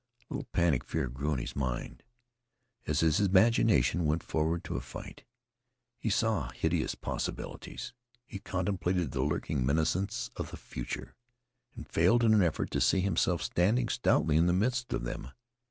A little panic fear grew in his mind. As his imagination went forward to a fight, he saw hideous possibilities. He contemplated the lurking menaces of the future, and failed in an effort to see himself standing stoutly in the midst of them.